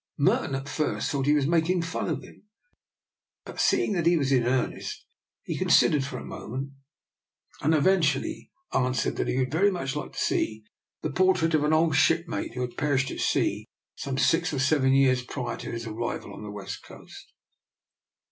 Merton at first thought he was making fun of him, but seeing that he was in earnest he con sidered for a moment, and eventually an swered that he would very much like to see the portrait of an old shipmate who had per ished at sea some six or seven years prior to his arrival on the West Coast.